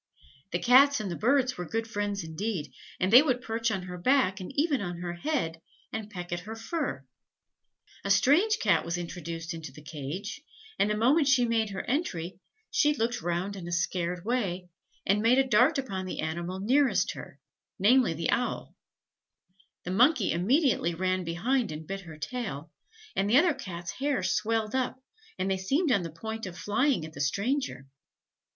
The Cats and the Birds were good friends indeed: they would perch on her back, and even on her head, and peck at her fur. A strange Cat was introduced into the cage, and the moment she made her entry, she looked round in a scared way, and made a dart upon the animal nearest her, namely the owl; the Monkey immediately ran behind and bit her tail, and the other Cats' hair swelled up, and they seemed on the point of flying at the stranger.